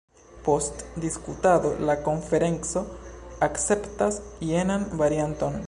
Post diskutado la konferenco akceptas jenan varianton.